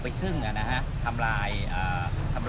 ไม่ใช่นี่คือบ้านของคนที่เคยดื่มอยู่หรือเปล่า